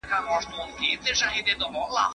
احمد شاه ابدالي د کډوالو ستونزي څنګه هوارولي؟